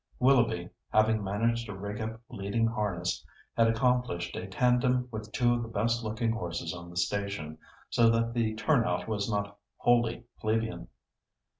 Willoughby, having managed to rig up leading harness, had accomplished a tandem with two of the best looking horses on the station, so that the turn out was not wholly plebeian.